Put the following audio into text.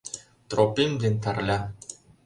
Тропим ден Тарля